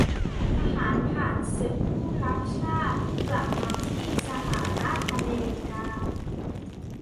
ทหารผ่านศึกผู้รักชาติกลับมาที่สหรัฐอเมริกา